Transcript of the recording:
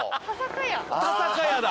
田坂屋だ。